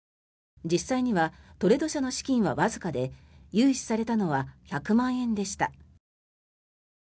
実際にはトレド社の資金はわずかで融資されたのは１００万円でした。